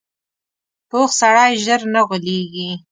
پوخ سړی ژر نه غولېږي